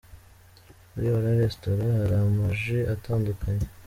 Muri Ora Restaurant hari ama jus atandukanye.